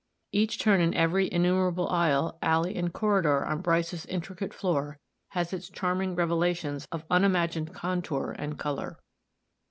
Each turn in every innumerable aisle, alley and corridor on Bryce's intricate floor has its charming revelations of unimagined contour and color.